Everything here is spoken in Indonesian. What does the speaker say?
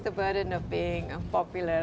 itu adalah masalah menjadi populer